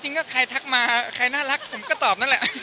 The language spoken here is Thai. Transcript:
จริงก็ถ้าใครตัดมาถ้าน่ารักเราก็ตอบนั่นแหละ